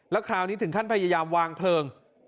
แล้วคราวนี้ถึงขั้นพยายามวางเพลิง